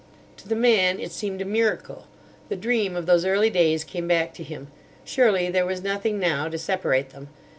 "To the man it seemed a miracle. The dream of those early days came back to him. Surely there was nothing now to separate them.